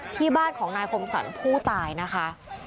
ที่บ้านของนายคมสรรผู้ตายนะคะ